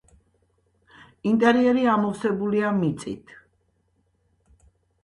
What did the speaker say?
ინტერიერი ამოვსებულია მიწით.